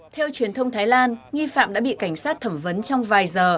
theo truyền thông thái lan nghi phạm đã bị cảnh sát thẩm vấn trong vài giờ